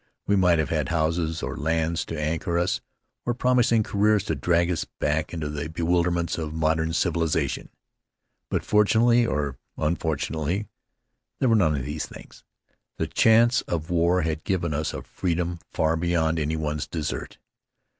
We might have had houses or lands to anchor us, or promising careers to drag us back into the be wilderments of modern civilization; but, fortunately or unfortunately, there were none of these things. The chance of war had given us a freedom far beyond anyone's desert.